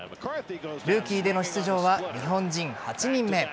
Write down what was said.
ルーキーでの出場は日本人８人目。